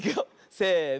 せの。